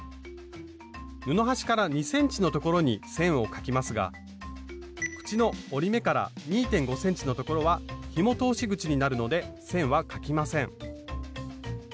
布端から２ｃｍの所に線を描きますが口の折り目から２．５ｃｍの所はひも通し口になるので線は描きません